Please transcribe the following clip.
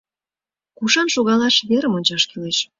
— Кушан шогалаш верым ончаш кӱлеш.